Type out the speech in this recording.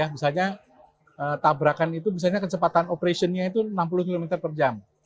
misalnya tabrakan itu misalnya kecepatan operationnya itu enam puluh km per jam